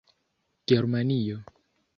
Germanio